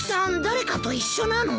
誰かと一緒なの？